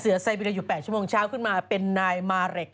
เสือไซเบีเรียอยู่๘ชั่วโมงขึ้นมาเป็นนายมาเหล็ก